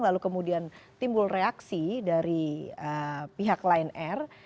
lalu kemudian timbul reaksi dari pihak lion air